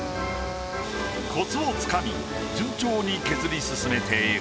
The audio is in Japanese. コツをつかみ順調に削り進めていく。